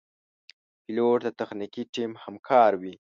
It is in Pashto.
پیلوټ د تخنیکي ټیم همکار وي.